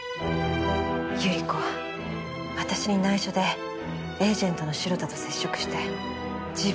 百合子は私に内緒でエージェントの城田と接触して自分を売り込もうとしたのよ。